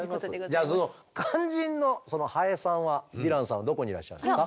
じゃあその肝心のハエさんはヴィランさんはどこにいらっしゃるんですか？